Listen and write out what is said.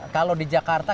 kalau di jakarta